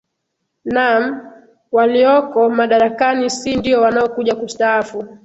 naam walioko madarakani si ndio wanaokuja kustaafu